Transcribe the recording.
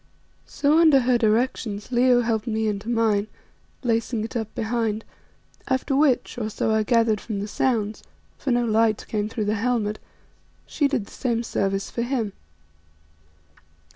So under her directions Leo helped me into mine, lacing it up behind, after which, or so I gathered from the sounds for no light came through the helmet she did the same service for him.